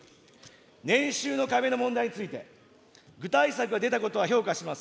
年収の壁の問題について、具体策が出たことは評価します。